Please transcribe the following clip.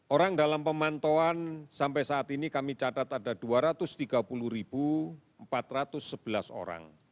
orang dalam pemantauan sampai saat ini kami catat ada dua ratus tiga puluh empat ratus sebelas orang